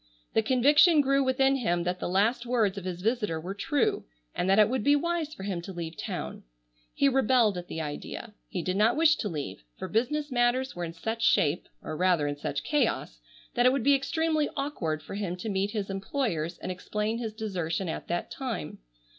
The conviction grew within him that the last words of his visitor were true, and that it would be wise for him to leave town. He rebelled at the idea. He did not wish to leave, for business matters were in such shape, or rather in such chaos, that it would be extremely awkward for him to meet his employers and explain his desertion at that time.